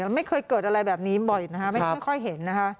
ไม่เคยเกิดอะไรแบบนี้บ่อยนะคะไม่ค่อยเห็นนะคะ